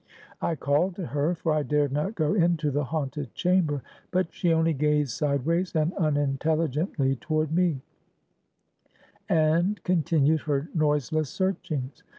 I called to her, for I dared not go into the haunted chamber; but she only gazed sideways and unintelligently toward me; and continued her noiseless searchings.